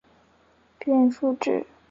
大蓝闪蝶的色彩是一种防卫机制。